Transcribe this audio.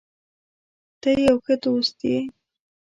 ته یو ښه دوست یې.